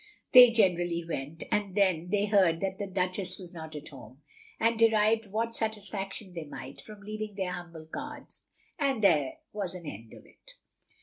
They generally went, and then they heard that the Duchess was not at home, and derived what satisfaction they might from leaving their humble cards, and there was an end of it.